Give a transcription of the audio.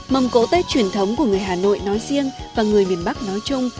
mầm cỗ tết truyền thống của người hà nội nói riêng và người miền bắc nói chung